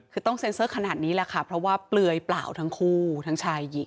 คือต้องเซ็นเซอร์ขนาดนี้แหละค่ะเพราะว่าเปลือยเปล่าทั้งคู่ทั้งชายหญิง